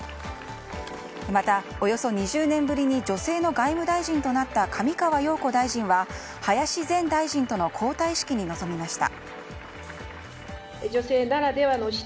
また、およそ２０年ぶりに女性の外務大臣となった上川陽子大臣は林前大臣との交代式に臨みました。